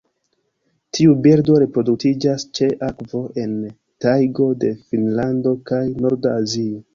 Tiu birdo reproduktiĝas ĉe akvo en tajgo de Finnlando kaj norda Azio.